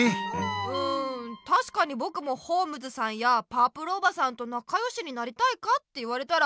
うんたしかにぼくもホームズさんやパープルおばさんとなかよしになりたいかって言われたら。